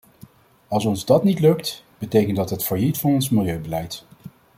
Als ons dat niet lukt, betekent dat het failliet van ons milieubeleid.